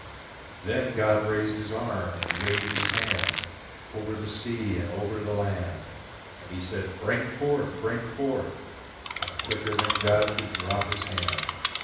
Then God raised His arm and He waved His handOver the sea and over the land, And He said, "Bring forth! Bring forth!"And quicker than God could drop His hand.